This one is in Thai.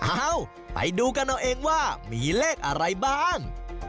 เอ้าไปดูกันเอาเองว่ามีเลขอะไรบ้าง